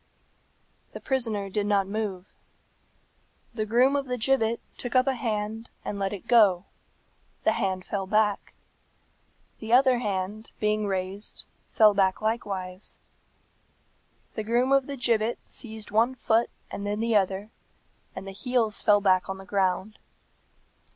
The prisoner did not move. The groom of the gibbet took up a hand and let it go; the hand fell back. The other hand, being raised, fell back likewise. The groom of the gibbet seized one foot and then the other, and the heels fell back on the ground.